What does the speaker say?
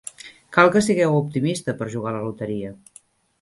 Cal que sigueu optimista per jugar a la loteria.